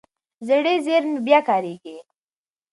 زړې زېرمې بیا کارېږي.